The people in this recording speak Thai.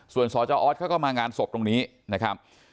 ส่วนสจออสเขาก็มางานศพตรงนี้นะครับ